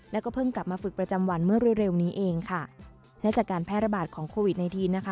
แล้วก็เพิ่งกลับมาฝึกประจำวันเมื่อเร็วเร็วนี้เองค่ะและจากการแพร่ระบาดของโควิดในทีนนะคะ